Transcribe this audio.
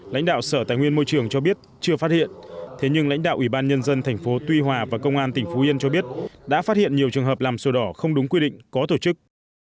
lãnh đạo sở tài nguyên môi trường cho biết chưa phát hiện thế nhưng lãnh đạo ủy ban nhân dân tp tuy hòa và công an tỉnh phú yên cho biết đã phát hiện nhiều trường hợp làm sổ đỏ không đúng quy định có tổ chức